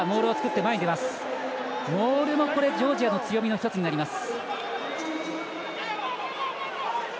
モールもジョージアの強みの一つになります。